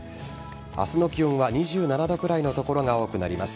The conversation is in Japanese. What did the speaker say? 明日の気温は２７度くらいの所が多くなります。